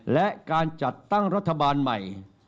และการจัดตั้งรัฐบาลใหม่